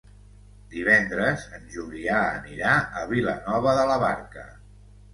Divendres en Julià anirà a Vilanova de la Barca.